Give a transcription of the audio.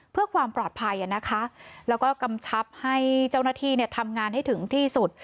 เพื่อความปลอดภัยนะคะแล้วก็กำชับให้เจ้าหน้าที่ทำงานให้ถึงที่สุด